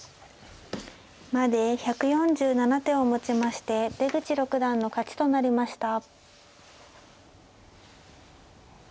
１。まで１４７手をもちまして出口六段の勝ちとなりました。